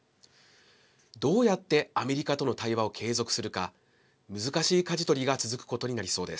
どうやってアメリカとの対話を継続するか難しいかじ取りが続くことになりそうです。